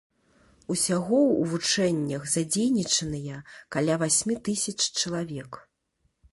Усяго ў вучэннях задзейнічаныя каля васьмі тысяч чалавек.